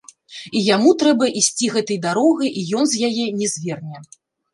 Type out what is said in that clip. І яму трэба ісці гэтай дарогай, і ён з яе не зверне.